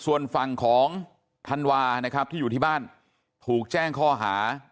ส่วนฝั่งของธันวานะครับที่อยู่ที่บ้านถูกแจ้งข้อหา